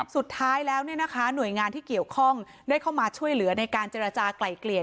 สุดท้ายแล้วหน่วยงานที่เกี่ยวข้องได้เข้ามาช่วยเหลือในการเจรจากลายเกลี่ย